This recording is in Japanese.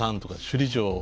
首里城。